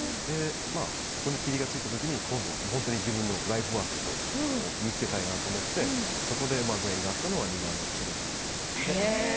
そこにきりがついた時に自分のライフワークを見つけたいなと思ってそこでご縁があったのが庭師の仕事ですね。